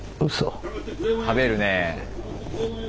食べるね。